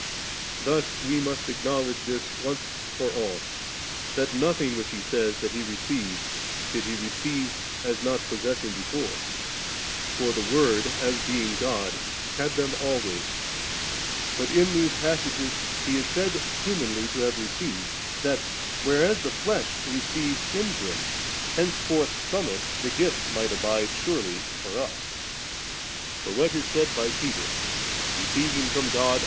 Thus we must acknowledge this once for all, that nothing which He says that He received, did He receive as not possessing before ; for the Word, as being God, had them always; but in these passages He is said humanly to have received, that, whereas the flesh received in Him, henceforth from it the 4 LnlMs.M. • s Cor. IL 8. f I Cor. tUL 6. f Job.